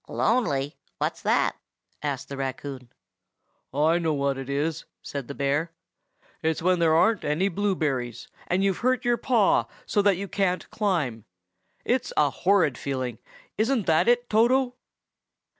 "Lonely! What's that?" asked the raccoon. "I know what it is!" said the bear. "It's when there aren't any blueberries, and you've hurt your paw so that you can't climb. It's a horrid feeling. Isn't that it, Toto?"